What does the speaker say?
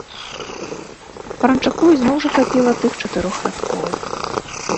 Пранчаку ізноў жа хапіла тых чатырох радкоў.